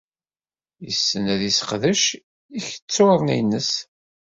Yessen ad yesseqdec iketturen-nnes.